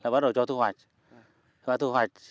bắt đầu cho thu hoạch